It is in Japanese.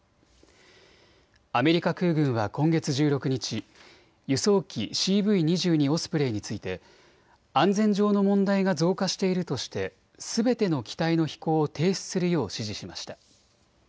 アメリカ空軍は今月１６日、輸送機、ＣＶ２２オスプレイについて安全上の問題が増加しているとして、すべての機体の飛行を停止するよう指示しました。